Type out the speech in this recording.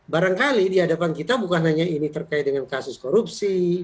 barangkali di hadapan kita bukan hanya ini terkait dengan kasus korupsi